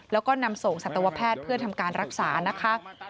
แล้วก็นำส่งสัตวแพทย์เพื่อทำการรักษานะคะ